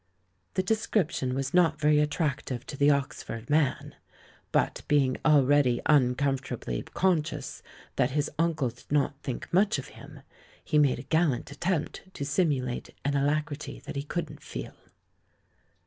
" The description was not very attractive to the Oxford man; but being already uncomfortably conscious that his uncle did not think much of him, he made a gallant attempt to simulate an alacrity that he couldn't feel.